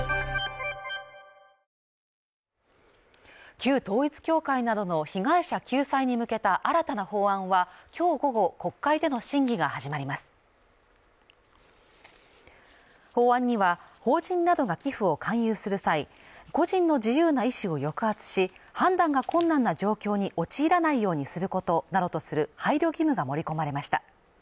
旧統一教会などの被害者救済に向けた新たな法案はきょう午後国会での審議が始まります法案には法人などが寄付を勧誘する際個人の自由な意思を抑圧し判断が困難な状況に陥らないようにすることなどとする配慮義務が盛り込まれました